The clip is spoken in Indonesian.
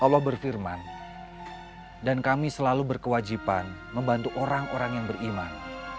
allah berfirman dan kami selalu berkewajiban membantu orang orang yang beriman